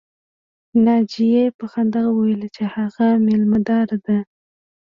ناجیې په خندا وویل چې هغه مېلمه داره ده